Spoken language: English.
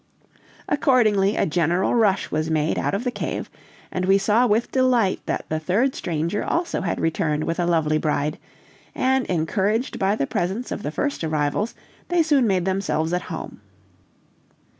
Accordingly a general rush was made out of the cave, and we saw with delight that the third stranger also had returned with a lovely bride, and encouraged by the presence of the first arrivals, they soon made themselves at home.